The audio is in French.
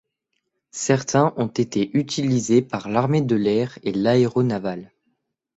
Certains ont été utilisés par l'armée de l'Air et l'Aéronavale.